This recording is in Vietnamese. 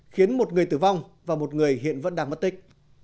khiến một người tử vong và một người hiện vẫn đang mất tích